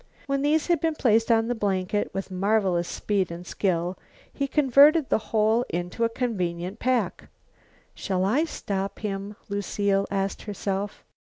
When these had been placed on the blanket, with marvelous speed and skill he converted the whole into a convenient pack. "Shall I stop him?" Lucile asked herself.